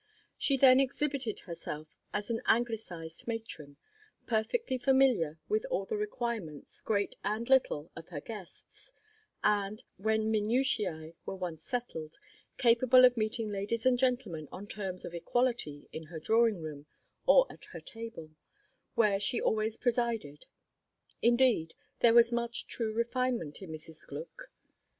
She then exhibited herself as an Anglicized matron, perfectly familiar with all the requirements, great and little, of her guests, and, when minutiae were once settled, capable of meeting ladies and gentlemen on terms of equality in her drawing room or at her table, where she always presided. Indeed, there was much true refinement in Mrs. Gluck.